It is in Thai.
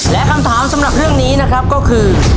และคำถามสำหรับเรื่องนี้นะครับก็คือ